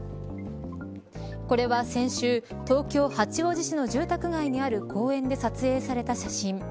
これは先週東京、八王子市の住宅街にある公園で撮影された写真。